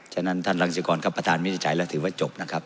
ฉะนั้นท่านรังสิกรครับประธานวินิจฉัยแล้วถือว่าจบนะครับ